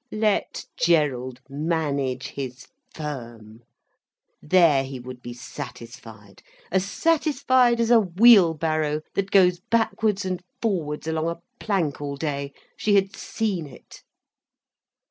Let Gerald manage his firm. There he would be satisfied, as satisfied as a wheelbarrow that goes backwards and forwards along a plank all day—she had seen it.